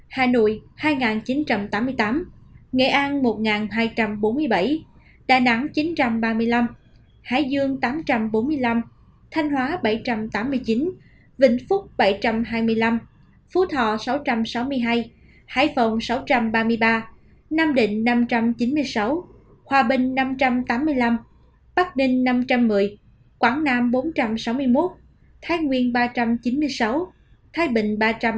hà nội hai chín trăm tám mươi tám nghệ an một hai trăm bốn mươi bảy đà nẵng chín trăm ba mươi năm hải dương tám trăm bốn mươi năm thanh hóa bảy trăm tám mươi chín vịnh phúc bảy trăm hai mươi năm phú thọ sáu trăm sáu mươi hai hải phòng sáu trăm ba mươi ba nam định năm trăm chín mươi sáu hòa bình năm trăm tám mươi năm bắc ninh năm trăm một mươi quảng nam bốn trăm sáu mươi một thái nguyên ba trăm chín mươi sáu thái bình ba trăm tám mươi bảy